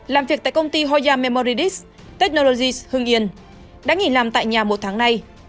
làm việc tại công ty hoya memoridis technologys hưng yên đã nghỉ làm tại nhà một tháng nay